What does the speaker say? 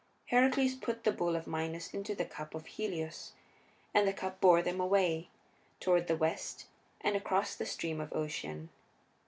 Heracles put the bull of Minos into the cup of Helios, and the cup bore them away, toward the west, and across the Stream of Ocean.